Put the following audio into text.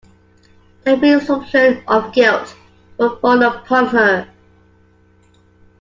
The presumption of guilt would fall upon her.